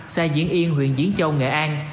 xa diễn yên huyện diễn châu nghệ an